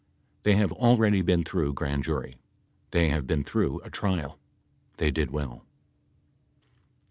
They have already been through grand jury. They have been through a trial. They did well